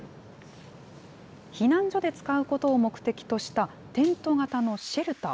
避難所で使うことを目的とした、テント型のシェルター。